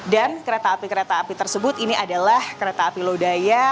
dan kereta api kereta api tersebut ini adalah kereta api lodaya